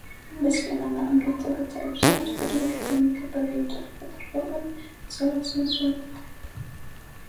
በእስልምና እምነት ተከታዮች ዘንድ በድምቀት የሚከበረው የኢድ አልፈጥር በዓል የሶላት ስነ ስርዓት ተካሄደ